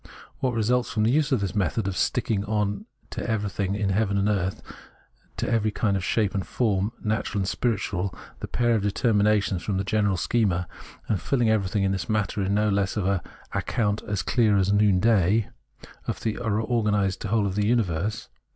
What results from the use of this method of sticking on to everything in heaven and earth, to every kind of shape and form, natural and spiritual, the pair of determinations from the general schema, and filing everything in this manner, is no less than an " account as clear as noonday "* of the organised whole of the imiverse.